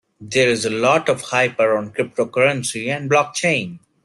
There is a lot of hype around cryptocurrency and block-chain.